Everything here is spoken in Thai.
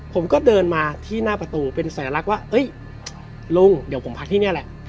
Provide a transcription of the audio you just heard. ผมก็เดินมาที่หน้าประตูเป็นสัญลักษณ์ว่าลุงเดี๋ยวผมพักที่นี่แหละ